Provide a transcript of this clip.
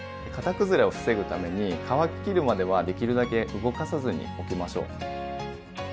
型崩れを防ぐために乾ききるまではできるだけ動かさずにおきましょう。